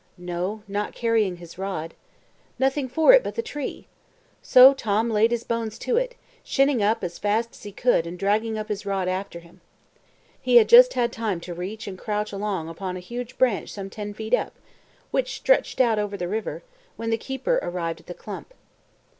No, not carrying his rod. Nothing for it but the tree. So Tom laid his bones to it, shinning up as fast as he could and dragging up his rod after him. He had just time to reach and crouch along upon a huge branch some ten feet up, which stretched out over the river, when the keeper arrived at the clump.